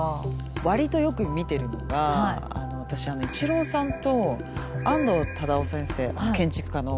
割とよく見てるのが私イチローさんと安藤忠雄先生建築家の。